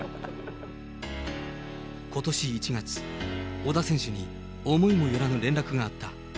ことし１月、小田選手に思いもよらぬ連絡があった。